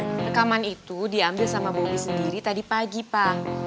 rekaman itu diambil sama bobby sendiri tadi pagi pa